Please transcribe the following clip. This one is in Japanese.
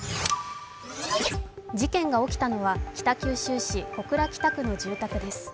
事件が起きたのは北九州市小倉北区の住宅です。